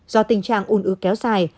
do tình trạng un ứ kéo sang